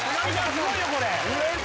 すごいよこれ。